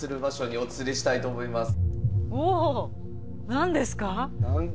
お何ですか？